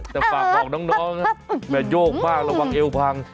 แต่ฝากบอกน้องนะแม่โยกมากระวังเอวพัง